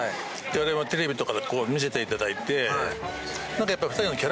テレビとかで見せていただいて。